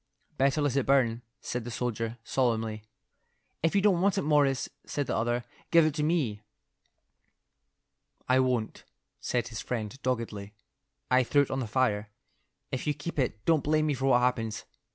"Better let it burn," said the soldier, solemnly. "If you don't want it, Morris," said the other, "give it to me." "I won't," said his friend, doggedly. "I threw it on the fire. If you keep it, don't blame me for what happens.